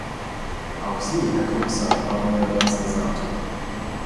Auch Sie, Herr Kommissar, haben mir das gesagt.